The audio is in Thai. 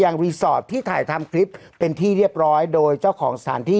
รีสอร์ทที่ถ่ายทำคลิปเป็นที่เรียบร้อยโดยเจ้าของสถานที่